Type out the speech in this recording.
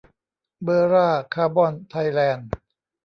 เบอร์ล่า คาร์บอน ไทยแลนด์